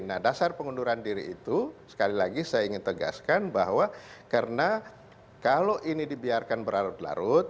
nah dasar pengunduran diri itu sekali lagi saya ingin tegaskan bahwa karena kalau ini dibiarkan berlarut larut